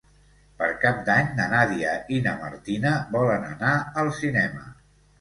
Per Cap d'Any na Nàdia i na Martina volen anar al cinema.